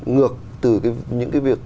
ngược từ những cái việc